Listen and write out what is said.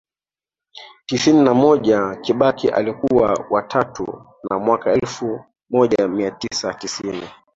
tisini na moja Kibaki alikuwa wa tatu na mwaka elfu moja mia tisa tisini